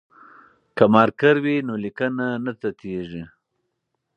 که مارکر وي نو لیکنه نه تتېږي.